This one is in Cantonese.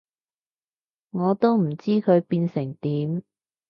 我都唔知佢變成點